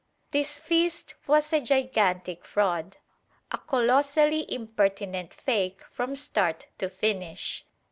This feast was a gigantic fraud, a colossally impertinent fake from start to finish.